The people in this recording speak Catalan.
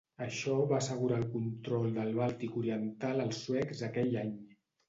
Això va assegurar el control del Bàltic oriental als suecs aquell any.